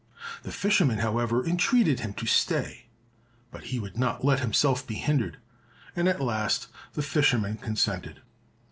The fisherman, however, entreated him to stay, but he would not let himself be hindered, and at last the fisherman consented.